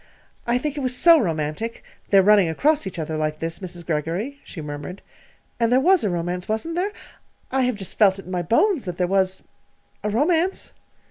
"I think it was so romantic their running across each other like this, Mrs. Greggory," she murmured. "And there was a romance, wasn't there? I have just felt in my bones that there was a romance!"